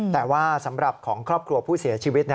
แต่ว่าสำหรับของครอบครัวผู้เสียชีวิต